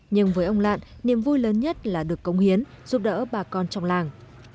nhưng với ông lạn niềm vui lớn nhất là được công hiến giúp đỡ bà con trong làng